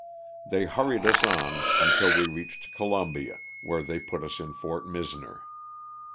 They hurried us on until we reached Columbia, where they put us in Fort Misner.